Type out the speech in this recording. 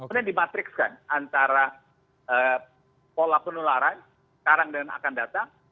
kemudian dimatrikskan antara pola penularan sekarang dan akan datang